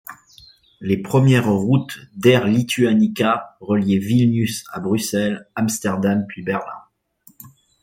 Les premières routes d’Air Lituanica reliaient Vilnius à Bruxelles, Amsterdam puis Berlin.